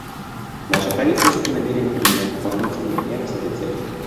Наше правительство намерено принимать дополнительные меры с этой целью.